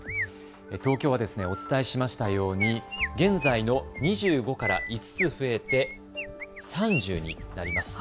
東京はお伝えしましたように現在の２５から５つ増えて３０になります。